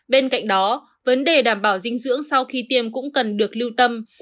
bên cạnh đó vấn đề đảm bảo dinh dưỡng sau khi tiêm cũng cần được lưu tâm